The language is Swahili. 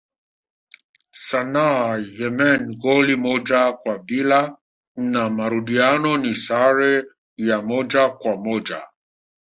Sanaa Yemen goli moja kwa bila na marudiano ni sare ya moja kwa moja